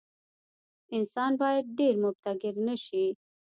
انسان باید ډېر متکبر نه شي.